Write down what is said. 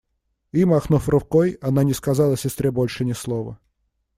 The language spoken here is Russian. И, махнув рукой, она не сказала сестре больше ни слова.